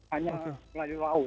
hanya melalui laut